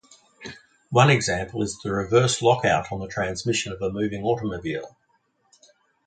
One example is the reverse lockout on the transmission of a moving automobile.